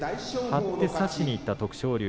張って差しにいった徳勝龍